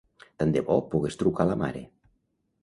Tant de bo pogués trucar la mare.